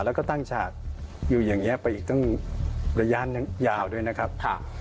แล้วก็ตั้งฉากอยู่อย่างนี้ไปอีกตั้งระยะยาวด้วยนะครับ